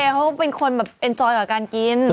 เขาเป็นคนแบบเอ็นจอยกับการกิน